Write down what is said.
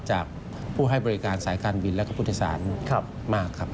จากผู้ให้บริการสายการบินและกระพุทธศาสนมากครับ